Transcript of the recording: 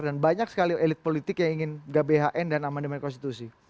dan banyak sekali elit politik yang ingin gbhn dan amandemen konstitusi